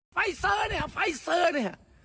ไฟเซอร์เนี่ยไฟเซอร์เนี่ย